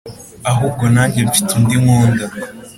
Ahubwo nanjye mfite undi nkunda